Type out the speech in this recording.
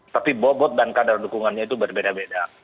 tapi bobot dan kadar dukungannya itu berbeda beda